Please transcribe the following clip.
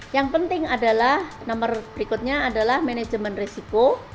yang penting adalah nomor berikutnya adalah manajemen resiko